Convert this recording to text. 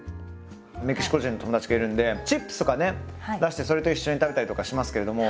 メキシコ人の友達がいるんでチップスとかね出してそれと一緒に食べたりとかしますけれども。